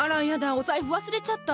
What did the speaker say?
お財布忘れちゃった。